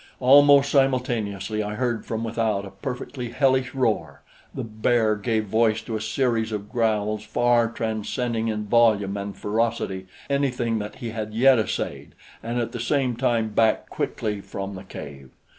Almost simultaneously I heard from without a perfectly hellish roar; the bear gave voice to a series of growls far transcending in volume and ferocity anything that he had yet essayed and at the same time backed quickly from the cave.